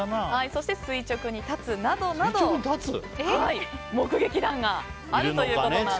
そして垂直に立つなどなど目撃談があるということなんです。